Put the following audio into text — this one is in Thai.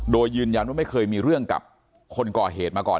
โดยยืนยันว่าไม่เคยมีเรื่องกับคนก่อเหตุมาก่อน